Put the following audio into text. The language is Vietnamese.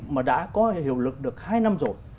mà đã có hiệu lực được hai năm rồi